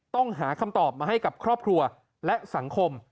ต้องหาคำตอบมาให้กับครอบครัวและสังคม